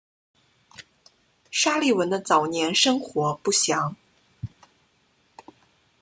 沙利文的早年生活不详。